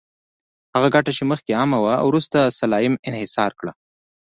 هغه ګټه چې مخکې عامه وه، وروسته سلایم انحصار کړه.